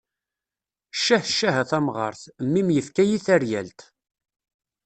Ccah ccah a tamɣart, mmi-m yefka-yi taryalt.